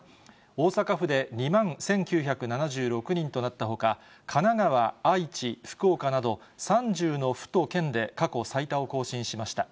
大阪府で２万１９７６人となったほか、神奈川、愛知、福岡など３０の府と県で過去最多を更新しました。